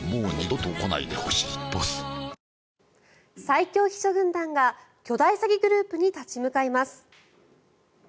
最強秘書軍団が巨大詐欺グループに立ち向かいます。